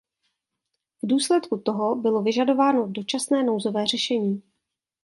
V důsledku toho bylo vyžadováno dočasné nouzové řešení.